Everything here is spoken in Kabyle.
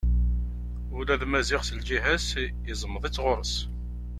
Ula d Maziɣ s lǧiha-s izmeḍ-itt ɣur-s.